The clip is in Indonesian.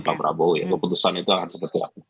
pak prabowo ya keputusan itu akan segera